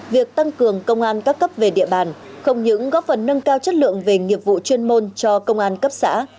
việc tăng cường công an các cấp về địa bàn không những góp phần nâng cao chất lượng về nghiệp vụ chuyên môn cho công an cấp xã